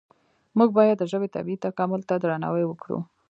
موږ باید د ژبې طبیعي تکامل ته درناوی وکړو.